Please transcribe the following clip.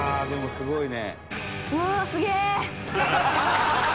すごいね！